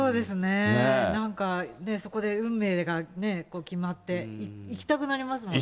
なんかね、そこで運命がね、決まって、行きたくなりますもんね。